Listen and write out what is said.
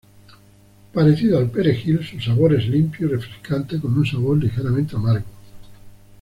Parecido al perejil, su sabor es limpio y refrescante con un sabor ligeramente amargo.